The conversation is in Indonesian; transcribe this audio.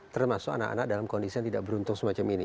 termasuk anak anak dalam kondisi yang tidak beruntung semacam ini